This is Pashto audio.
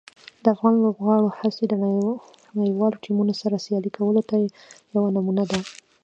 د افغان لوبغاړو هڅې د نړیوالو ټیمونو سره سیالي کولو ته یوه نمونه ده.